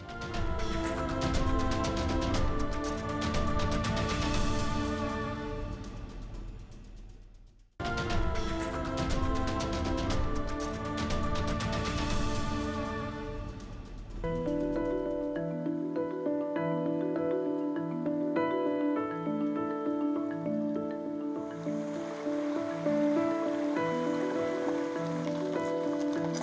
keras bau terbang